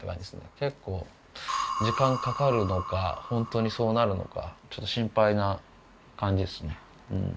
結構時間かかるのかホントにそうなるのかちょっと心配な感じですね。